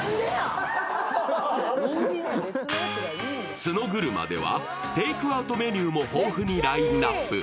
角車ではテイクアウトメニューも豊富にラインナップ。